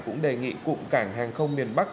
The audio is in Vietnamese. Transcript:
cũng đề nghị cụm cảng hàng không miền bắc